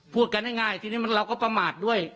พูดกันง่ายทีนี้เราก็ประมาทด้วย